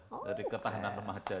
jadi ketahanan remaja